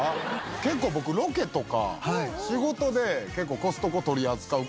結構僕ロケとか仕事でコストコ取り扱う事多いんで。